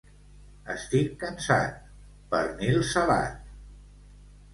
Estic cansat, pernil salat!